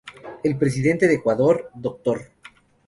El presidente del Ecuador Dr.